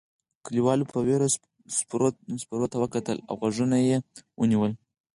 کليوالو په وېره سپرو ته کتل او غوږونه یې ونیول.